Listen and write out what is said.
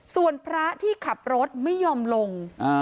ส่วนพระที่ขับรถไม่ยอมลง